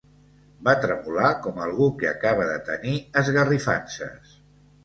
Va tremolar com algú que acaba de tenir esgarrifances.